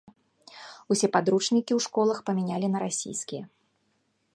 Усе падручнікі ў школах памянялі на расійскія.